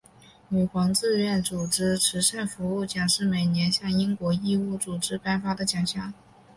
女皇志愿组织慈善服务奖是每年向英国义务组织颁发的奖项。